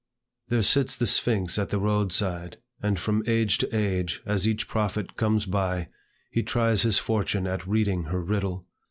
There sits the Sphinx at the road side, and from age to age, as each prophet comes by, he tries his fortune at reading her riddle.